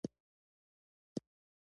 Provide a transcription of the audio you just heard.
خپلې حجرې، کمبلې او منابع به یې وې.